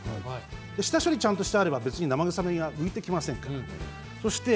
下処理をちゃんとしていれば生臭みが浮いてきませんから。